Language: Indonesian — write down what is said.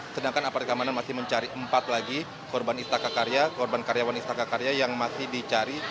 sedangkan aparat keamanan masih mencari empat lagi korban istaka karya korban karyawan istaka karya yang masih dicari